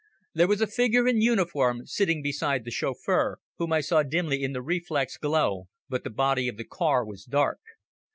There was a figure in uniform sitting beside the chauffeur, whom I saw dimly in the reflex glow, but the body of the car was dark.